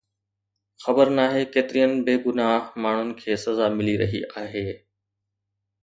خبر ناهي ڪيترين بيگناهه ماڻهن کي سزا ملي رهي آهي